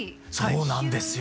そうなんですよ。